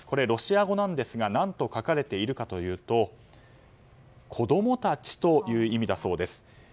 ロシア語なんですが何と書かれているかというと子供たちという意味だそうです。